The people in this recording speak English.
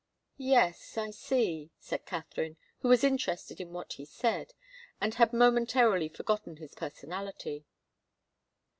"Yes, I see," said Katharine, who was interested in what he said, and had momentarily forgotten his personality.